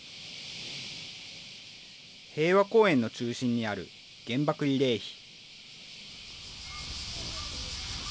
平和公園の中心にある原爆慰霊碑。